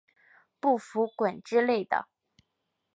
不服滚之类的